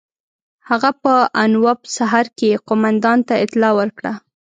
هغه په انوپ سهر کې قوماندان ته اطلاع ورکړه.